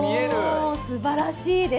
もうすばらしいです。